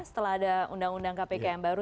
setelah ada undang undang kpk yang baru